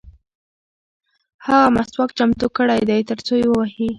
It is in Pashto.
هغه مسواک چمتو کړی دی ترڅو یې ووهي.